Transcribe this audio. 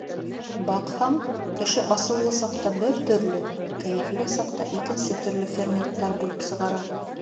Баҡһаң, кеше асыулы саҡта бер төрлө, кәйефле саҡта икенсе төрлө ферменттар бүлеп сығара.